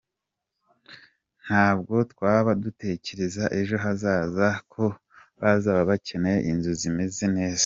Ntabwo twaba dutekereza ejo hazaza ko bazaba bakeneye inzu zimeze neza.